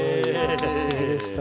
すてきでした。